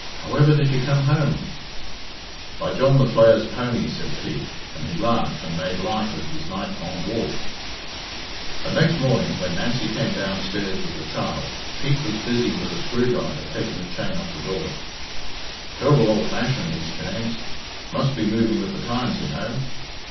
However did you come home?" "By John the Flayer's pony," said Pete; and he laughed and made light of his night long walk. But next morning, when Nancy came downstairs with the child, Pete was busy with a screwdriver taking the chain off the door. "Ter'ble ould fashioned, these chains must be moving with the times, you know."